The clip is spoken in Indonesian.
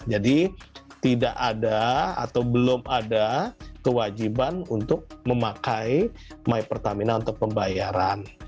jadi tidak ada atau belum ada kewajiban untuk memakai my pertamina untuk pembayaran